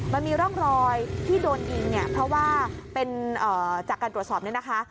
มันมีร่องรอยที่โดนยิงเพราะว่าจากการตรวจสอบนี้นะคะ